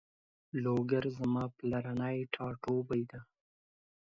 لوګر زما پلرنی ټاټوبی ده